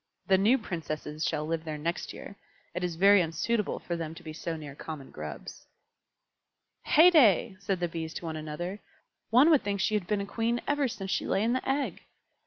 The new Princesses shall live there next year; it is very unsuitable for them to be so near common Grubs." "Heyday!" said the Bees to one another. "One would think she had been a Queen ever since she lay in the egg."